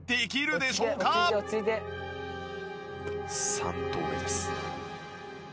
３投目です。